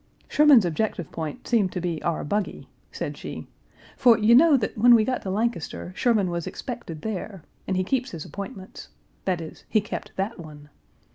"Sherman's objective point Page 371 seemed to be our buggy," said she; "for you know that when we got to Lancaster Sherman was expected there, and he keeps his appointments; that is, he kept that one.